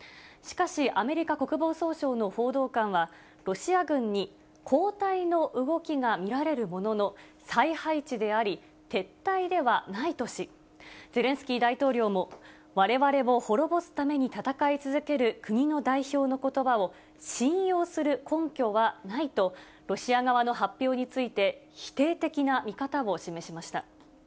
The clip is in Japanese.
しかし、アメリカ国防総省の報道官は、ロシア軍に後退の動きが見られるものの、再配置であり、撤退ではないとし、ゼレンスキー大統領も、われわれを滅ぼすために戦い続ける国の代表のことばを、信用する根拠はないと、ロシア側の発表について、否定的な見方を示しました。